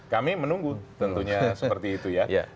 kami menunggu tentunya seperti itu ya